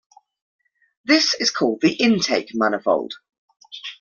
This is called the Intake Manifold.